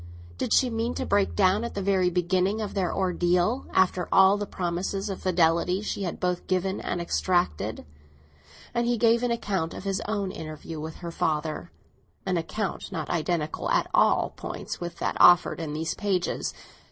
Did she mean to break down at the very beginning of their ordeal, after all the promises of fidelity she had both given and extracted? And he gave an account of his own interview with her father—an account not identical at all points with that offered in these pages.